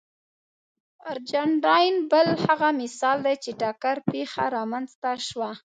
ارجنټاین بل هغه مثال دی چې ټکر پېښه رامنځته شوه.